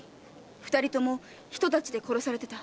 二人とも一太刀で殺されてた。